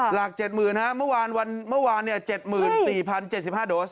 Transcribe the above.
หลัก๗หมื่นฮะเมื่อวานเนี่ย๗หมื่น๔๐๗๕โดส